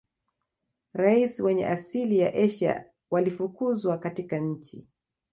Raia wenye asili ya Asia walifukuzwa katika nchi